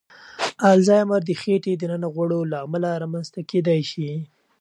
الزایمر د خېټې دننه غوړو له امله رامنځ ته کېدای شي.